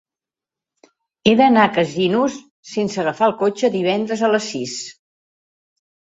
He d'anar a Casinos sense agafar el cotxe divendres a les sis.